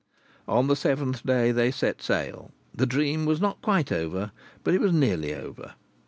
On the seventh day they set sail. The dream was not quite over, but it was nearly over.